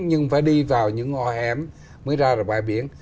nhưng phải đi vào những ngõ hẻm mới ra được bãi biển